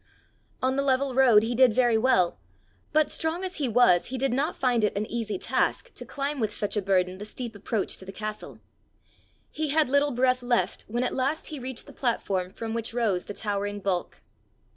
On the level road he did very well; but, strong as he was, he did not find it an easy task to climb with such a burden the steep approach to the castle. He had little breath left when at last he reached the platform from which rose the towering bulk.